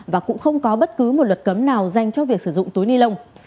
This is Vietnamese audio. và cũng không có bất cứ một luật cấm nào dành cho việc sử dụng túi ni lông